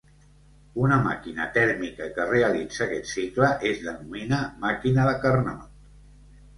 Una màquina tèrmica que realitza aquest cicle es denomina màquina de Carnot.